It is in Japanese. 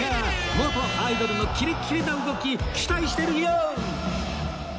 元アイドルのキレッキレな動き期待してる ＹＯ！